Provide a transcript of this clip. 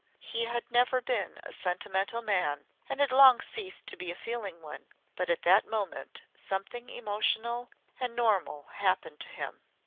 He had never been a sentimental man, and had long ceased to be a feeling one, but at that moment something emotional and normal happened to him.